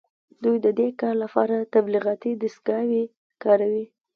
دوی د دې کار لپاره تبلیغاتي دستګاوې کاروي